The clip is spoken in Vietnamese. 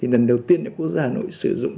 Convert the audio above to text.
lần đầu tiên quốc gia hà nội sử dụng